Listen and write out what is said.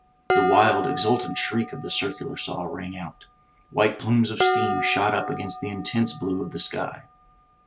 The wild exultant shriek of the circular saw rang out. White plumes of steam shot up against the intense blue of the sky.